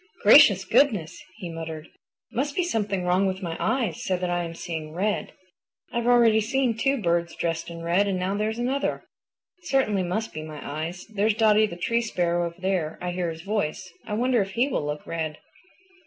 "Gracious goodness!" he muttered, "it must be something is wrong with my eyes so that I am seeing red. I've already seen two birds dressed in red and now there's another. It certainly must be my eyes. There's Dotty the Tree Sparrow over there; I hear his voice. I wonder if he will look red."